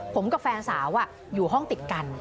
ผมกับแฟนสาวอยู่ห้องติดกัน